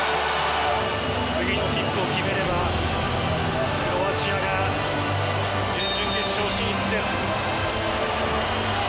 次のキックを決めればクロアチアが準々決勝進出です。